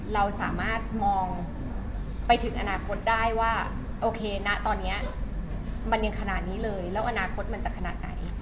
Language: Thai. เราสามารถมองไปถึงอนาคตได้ว่าโอเคนะตอนนี้มันยังขนาดนี้เลยแล้วอนาคตมันจะขนาดไหน